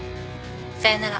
さよなら。